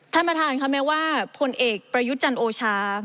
ท่านประธานค่ะแม้ว่าผลเอกประยุทธ์จันทร์โอชา